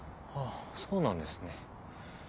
あっそうなんですね。